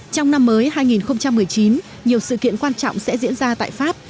trong năm mới hai nghìn một mươi chín nhiều sự kiện quan trọng sẽ diễn ra tại pháp